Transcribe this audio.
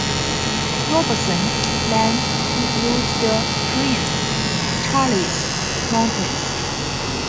Robertson Land includes the Prince Charles Mountains.